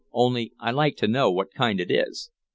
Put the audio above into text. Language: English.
Only I like to know what kind it is."